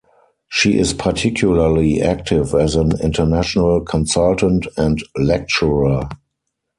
She is particularly active as an international consultant and lecturer.